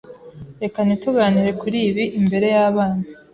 Reka ntituganire kuri ibi imbere y'abana.